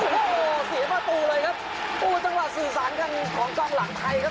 เสียบ้าตูเลยครับโอ้โหจังหว่าสื่อสารของกล้องหลังไทยครับ